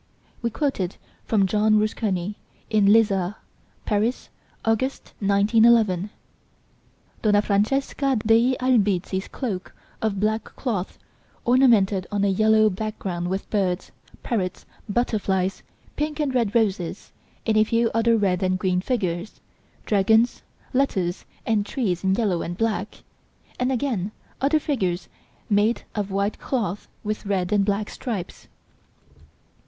(We quote from Jahn Rusconi in Les Arts, Paris, August, 1911.) "Donna Francesca dei Albizzi's cloak of black cloth ornamented on a yellow background with birds, parrots, butterflies, pink and red roses, and a few other red and green figures; dragons, letters and trees in yellow and black, and again other figures made of white cloth with red and black stripes."